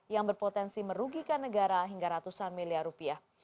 yang berpotensi merugikan negara hingga ratusan miliar rupiah